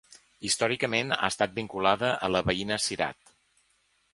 Històricament ha estat vinculada a la veïna Cirat.